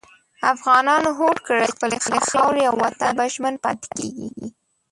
افغانانو هوډ کړی چې خپلې خاورې او وطن ته به ژمن پاتې کېږي.